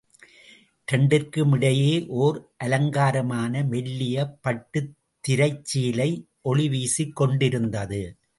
இரண்டிற்கும் இடையே ஓர் அலங்காரமான மெல்லிய பட்டுத் திரைச்சீலை ஒளிவீசிக் கொண்டிருந்தது.